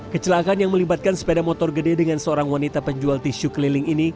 kecelakaan yang melibatkan sepeda motor gede dengan seorang wanita penjual tisu keliling ini